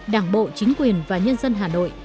đảng bộ chính quyền và nhân dân hà nội